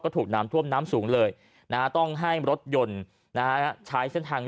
ถูกน้ำท่วมน้ำสูงเลยนะต้องให้รถยนต์ใช้เส้นทาง